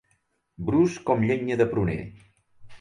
Brusc com llenya de pruner.